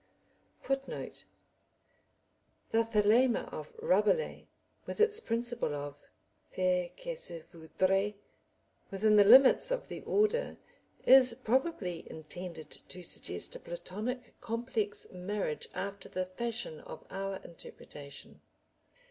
[Footnote: The Thelema of Rabelais, with its principle of "Fay ce que vouldras" within the limits of the order, is probably intended to suggest a Platonic complex marriage after the fashion of our interpretation.